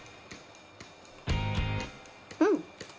うん！